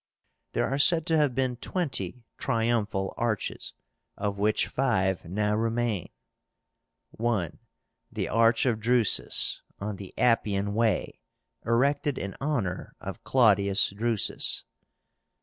There are said to have been twenty TRIUMPHAL ARCHES, of which five now remain, 1. The ARCH OF DRUSUS, on the Appian Way, erected in honor of Claudius Drusus.